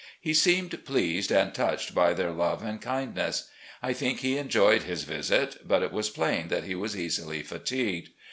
He seemed pleased and touched by their love and kindness. I think he enjoyed his visit, but it was plain that he was easily fatigued.